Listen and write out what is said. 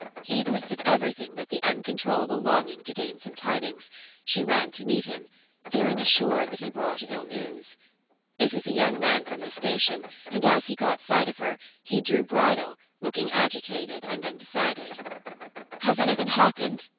Heedless of everything but the uncontrollable longing to gain some tidings, she ran to meet him, feeling assured that he brought ill news. It was a young man from the station, and as he caught sight of her, he drew bridle, looking agitated and undecided. "Has anything happened?"